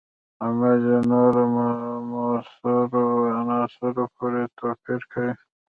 عمل یې نورو موثرو عناصرو پورې توپیر کوي.